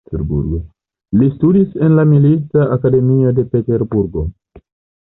Li studis en la milita akademio de Peterburgo.